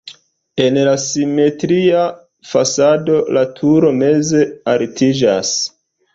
En la simetria fasado la turo meze altiĝas.